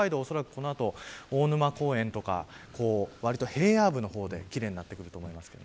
この後おそらく大沼公園とかわりと平野部の方で奇麗になると思います。